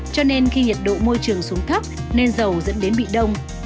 cho nên khi nhiệt độ môi trường xuống thấp nên dầu dẫn đến bị đông